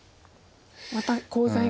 またコウ材が。